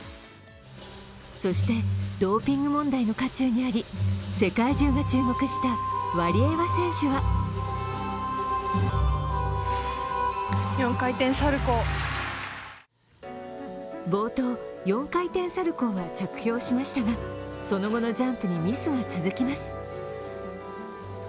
そしてドーピング問題の渦中にあり、世界中が注目したワリエワ選手は冒頭、４回転サルコウは着氷しましたが、その後のジャンプにミスが続きます。